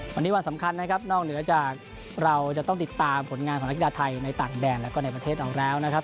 วันนี้วันสำคัญนะครับนอกเหนือจากเราจะต้องติดตามผลงานของนักกีฬาไทยในต่างแดนแล้วก็ในประเทศเราแล้วนะครับ